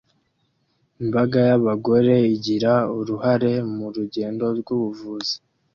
Imbaga y'abagore igira uruhare mu rugendo rw'ubuvugizi